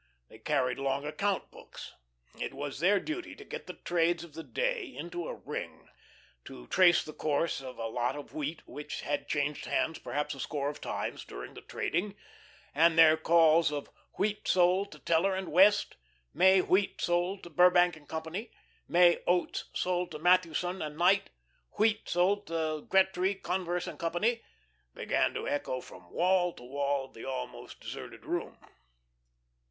They carried long account books. It was their duty to get the trades of the day into a "ring" to trace the course of a lot of wheat which had changed hands perhaps a score of times during the trading and their calls of "Wheat sold to Teller and West," "May wheat sold to Burbank & Co.," "May oats sold to Matthewson and Knight," "Wheat sold to Gretry, Converse & Co.," began to echo from wall to wall of the almost deserted room.